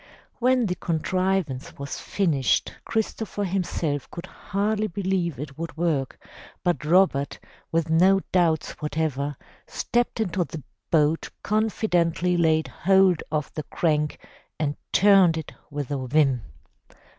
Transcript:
When the contrivance was finished Christopher himself could hardly believe it would work, but Robert, with no doubts whatever, stepped into the boat, confidently laid hold of the crank and turned it with a vim.